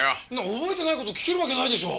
覚えてない事聞けるわけないでしょ！